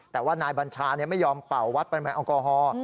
แต่ว่านายบัญชาไม่ยอมเป่าวัดปริมาณแอลกอฮอล์